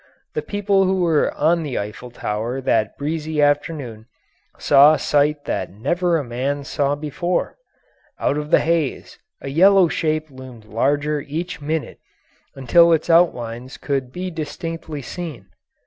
The people who were on the Eiffel Tower that breezy afternoon saw a sight that never a man saw before. Out of the haze a yellow shape loomed larger each minute until its outlines could be distinctly seen.